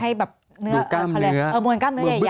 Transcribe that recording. ให้แบบ